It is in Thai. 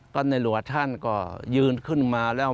ก็ในหลวงท่านก็ยืนขึ้นมาแล้ว